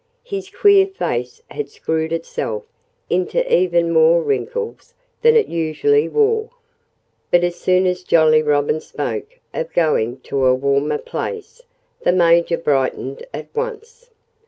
His queer face had screwed itself into even more wrinkles than it usually wore. But as soon as Jolly Robin spoke of going to a warmer place, the Major brightened at once.